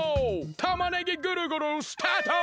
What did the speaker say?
たまねぎぐるぐるスタート！